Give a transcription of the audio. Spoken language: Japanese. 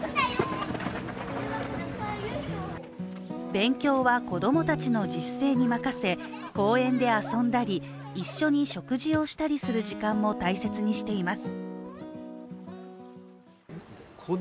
勉強は子供たちの自主性に任せ公園で遊んだり、一緒に食事をしたりする時間も大切にしています。